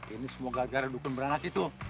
ini semoga gara gara dukun beranak itu